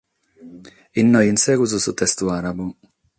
Inoghe in segus su testu àrabu.